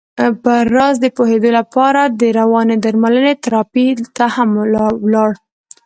پر راز د پوهېدو لپاره د روانې درملنې تراپۍ ته هم ولاړ.